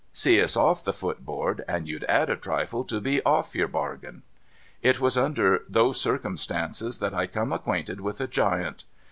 See us off the foot board, and you'd add a trifle to be off your bargain. It was under those circumstances that I come acquainted with a giant.